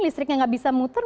listriknya gak bisa muter